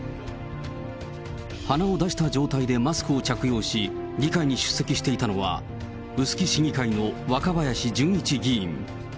鼻を出した状態でマスクを着用し、議会に出席していたのは、臼杵市議会の若林純一議員。